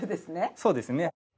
そうですね。